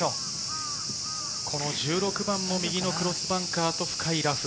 １６番も右のクロスバンカーと深いラフ。